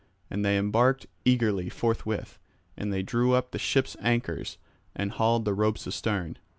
And they embarked eagerly forthwith; and they drew up the ship's anchors and hauled the ropes astern.